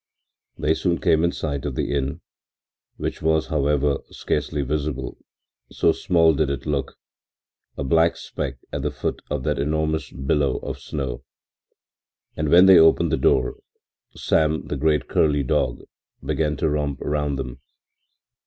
They soon came in sight of the inn, which was, however, scarcely visible, so small did it look, a black speck at the foot of that enormous billow of snow, and when they opened the door Sam, the great curly dog, began to romp round them.